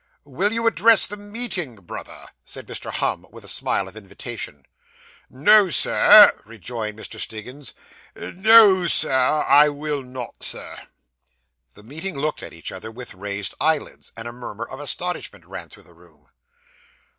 'Will you address the meeting, brother?' said Mr. Humm, with a smile of invitation. 'No, sir,' rejoined Mr. Stiggins; 'No, sir. I will not, sir.' The meeting looked at each other with raised eyelids; and a murmur of astonishment ran through the room.